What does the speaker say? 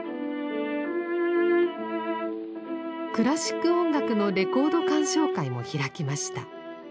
クラシック音楽のレコード鑑賞会も開きました。